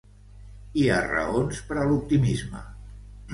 I hi ha raons per a l’optimisme.